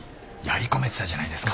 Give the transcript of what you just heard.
やり込めてたじゃないですか。